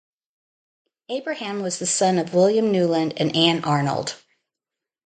Abraham was the son of William Newland and Anne Arnold.